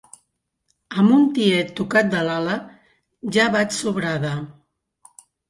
Amb un tiet tocat de l'ala ja vaig sobrada.